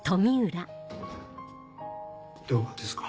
どうですか？